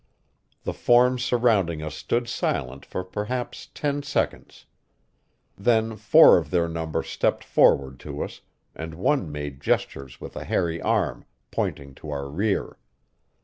The forms surrounding us stood silent for perhaps ten seconds. Then four of their number stepped forward to us, and one made gestures with a hairy arm, pointing to our rear.